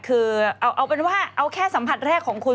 คือเอาเป็นว่าเอาแค่สัมผัสแรกของคุณ